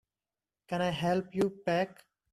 Can I help you pack?